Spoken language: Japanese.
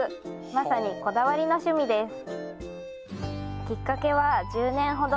まさにこだわりの趣味です